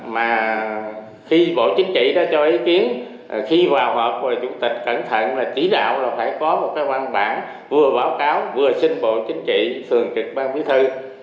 mà khi bộ chính trị đã cho ý kiến khi vào họp chủ tịch cẩn thận là chỉ đạo là phải có một cái văn bản vừa báo cáo vừa xin bộ chính trị thường trực ban bí thư